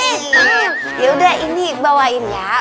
ini yaudah ini bawain ya